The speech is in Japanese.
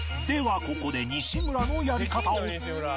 ここで西村のやり方を